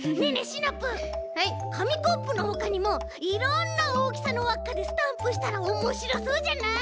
シナプーかみコップのほかにもいろんなおおきさのわっかでスタンプしたらおもしろそうじゃない？